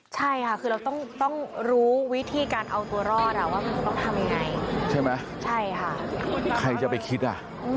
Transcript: ใช่ค่ะคือเราต้องรู้วิธีการเอาตัวรอดอ่ะว่ามันจะต้องทำยังไงใช่ไหมใช่ค่ะใครจะไปคิดอ่ะ